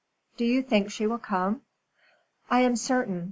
"Do you think she will come?" "I am certain.